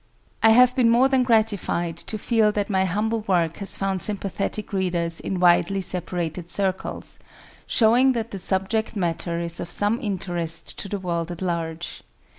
I have been more than gratified to feel that my humble work has found sympathetic readers in widely separated circles, showing that the subject matter is of some interest to the world at large.